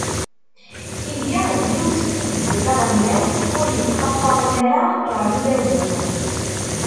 Ihi, d yiwet n tuddsa taɣelnawt ur yeṭṭafaren ara ɣer udabu.